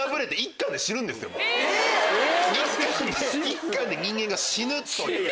１巻で人間が死ぬという。